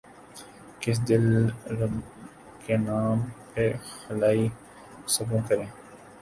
کس دل ربا کے نام پہ خالی سبو کریں